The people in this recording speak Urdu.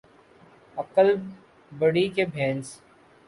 عقل بڑی کہ بھینس